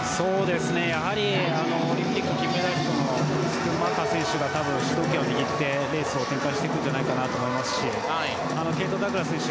やはりオリンピック金メダリストのスクンマーカー選手が主導権を握ってレースを展開すると思いますしケイト・ダグラス選手